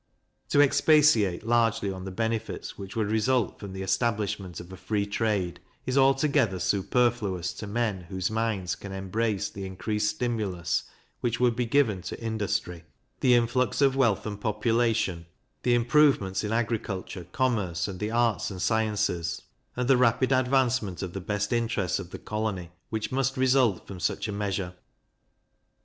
To expatiate largely on the benefits which would result from the establishment of a free trade, is altogether superfluous to men whose minds can embrace the increased stimulus which would be given to industry, the influx of wealth and population, the improvements in agriculture, commerce, and the arts and sciences, and the rapid advancement of the best interests of the colony, which must result from such a measure.